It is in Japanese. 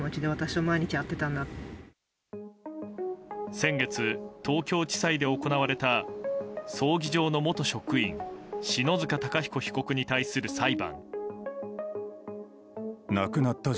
先月、東京地裁で行われた葬儀場の元職員篠塚貴彦被告に対する裁判。